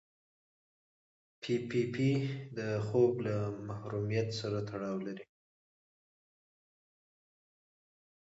پي پي پي د خوب له محرومیت سره تړاو لري.